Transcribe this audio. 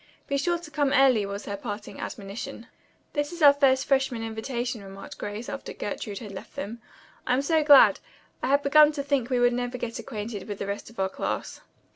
"Be sure to come early," was her parting admonition. "This is our first freshman invitation," remarked Grace after Gertrude had left them. "I'm so glad. I had begun to think we would never get acquainted with the rest of our class."